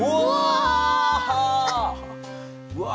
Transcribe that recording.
うわ！